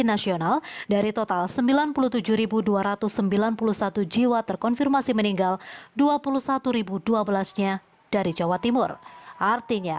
nasional dari total sembilan puluh tujuh ribu dua ratus sembilan puluh satu jiwa terkonfirmasi meninggal dua puluh satu dua belas nya dari jawa timur artinya